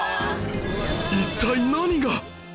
一体何が！？